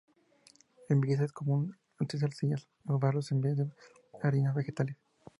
En belleza es común utilizar arcillas o barros en vez de harinas vegetales.